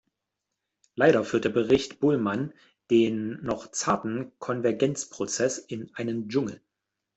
Leider führt der Bericht Bullmann den noch zarten Konvergenzprozess in einen Dschungel.